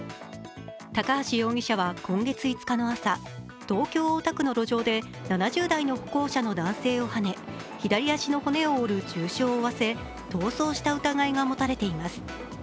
高橋容疑者は今月５日の朝、東京・大田区の路上で７０代の歩行者の男性をはね左足の骨を折る重傷を負わせ逃走した疑いが持たれています。